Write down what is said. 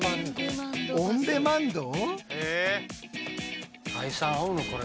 オンデマンド？